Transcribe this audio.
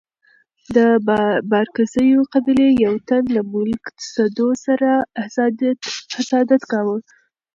د بارکزيو قبيلي يو تن له ملک سدو سره حسادت کاوه.